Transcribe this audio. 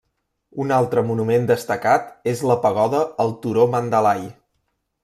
Un altre monument destacat és la pagoda al turó Mandalay.